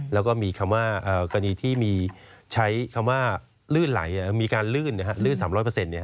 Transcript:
แล้วก็มีคำว่ากรณีที่มีใช้คำว่าลื่นไหลมีการลื่น๓๐๐เปอร์เซ็นต์